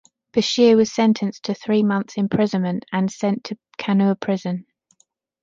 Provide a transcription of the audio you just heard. Basheer was sentenced to three months imprisonment and sent to Kannur prison.